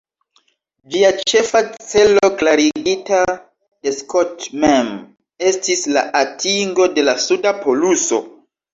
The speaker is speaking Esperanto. Ĝia ĉefa celo, klarigita de Scott mem, estis la atingo de la suda poluso.